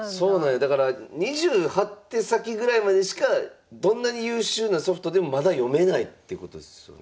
だから２８手先ぐらいまでしかどんなに優秀なソフトでもまだ読めないってことですよね？